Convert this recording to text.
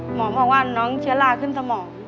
หมอบอกว่าน้องเชื้อลาขึ้นสมอง